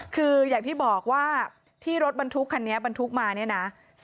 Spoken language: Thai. คืออย่างที่บอกว่าที่รถบรรทุกคันนี้บรรทุกมาเนี่ยนะ